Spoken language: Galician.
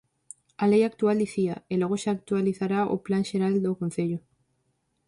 A lei actual dicía: e logo xa actualizará o plan xeral o concello.